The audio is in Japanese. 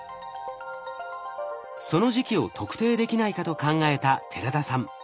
その時期を特定できないかと考えた寺田さん。